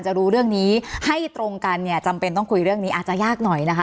รู้เรื่องนี้ให้ตรงกันเนี่ยจำเป็นต้องคุยเรื่องนี้อาจจะยากหน่อยนะคะ